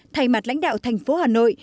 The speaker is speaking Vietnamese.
thay mặt lãnh đạo thành phố hà nội